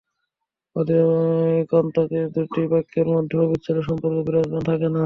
অধিকন্তু দুটি বাক্যের মধ্যে অবিচ্ছেদ্য সম্পর্কও বিরাজমান থাকে না।